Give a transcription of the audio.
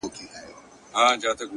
اوس موږ همدغه سن اولادونه او لمسیان لرو